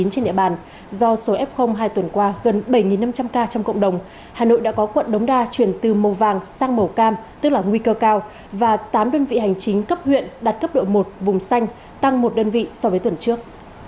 trên địa bàn do số f hai tuần qua gần bảy năm trăm linh ca trong cộng đồng hà nội đã có quận đống đa chuyển từ màu vàng sang màu cam tức là nguy cơ cao và tám đơn vị hành chính cấp huyện đạt cấp độ một vùng xanh tăng một đơn vị so với tuần trước